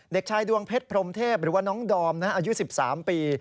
เด็กชายดวงเพชรพรมเทพหรือว่าน้องดอมอายุ๑๓ปี